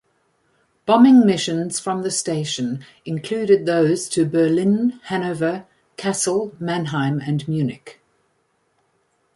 Bombing missions from the station included those to Berlin, Hanover, Kassel, Mannheim and Munich.